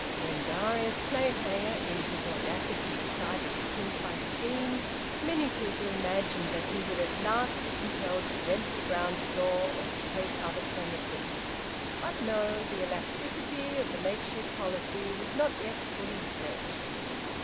When Darius Clayhanger, in his audacity, decided to print by steam, many people imagined that he would at last be compelled to rent the ground floor or to take other premises. But no! The elasticity of the makeshift policy was not yet fully stretched.